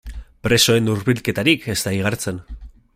Presoen hurbilketarik ez da igartzen.